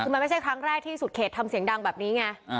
คือมันไม่ใช่ครั้งแรกที่สุดเขตทำเสียงดังแบบนี้ไง